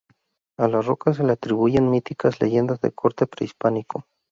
A la roca se le atribuyen míticas leyendas de corte prehispánico.